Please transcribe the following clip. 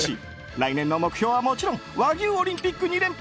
来年の目標はもちろん和牛オリンピック２連覇。